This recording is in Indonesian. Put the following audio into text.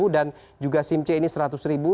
dan juga sim c ini rp seratus